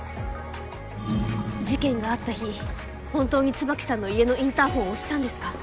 事件があった日本当に椿さんの家のインターホンを押したんですか？